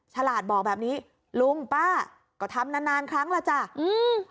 ฉลาดบอกแบบนี้ลุงป้าก็ทำนานนานครั้งแล้วจ้ะอืม